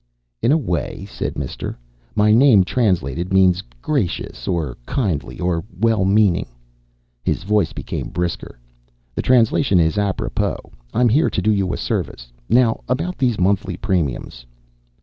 "In a way," said Mister. "My name, translated, means gracious or kindly or well meaning." His voice became brisker. "The translation is apropos. I'm here to do you a service. Now, about these monthly premiums